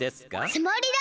つもりだ！